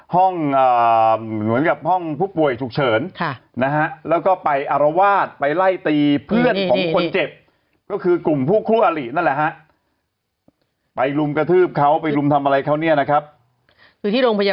ฮ่าฮ่าฮ่าฮ่าฮ่าฮ่าฮ่าฮ่า